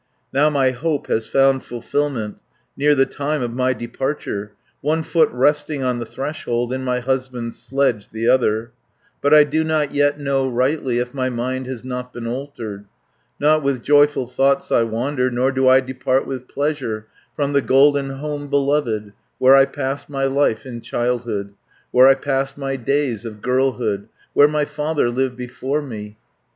Now my hope has found fulfilment; Near the time of my departure; One foot resting on the threshold, In my husband's sledge the other, 150 But I do not yet know rightly, If my mind has not been altered. Not with joyful thoughts I wander Nor do I depart with pleasure From the golden home beloved, Where I passed my life in childhood, Where I passed my days of girlhood, Where my father lived before me.